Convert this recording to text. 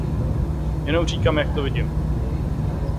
Jenom říkám, jak to vidím.